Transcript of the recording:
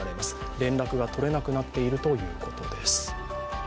連絡がとれなくなっているということです。